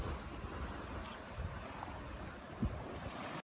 สวัสดีครับ